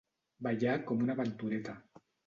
Ballar com una ventureta.